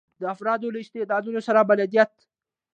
د افرادو له استعدادونو سره بلدیت.